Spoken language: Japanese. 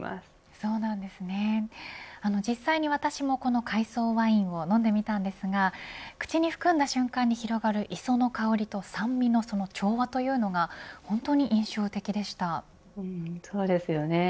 そうなんですね、実際に私もこの海藻ワインを飲んでみたんですが口に含んだ瞬間に広がる磯の香りと酸味の調和というのがそうですよね。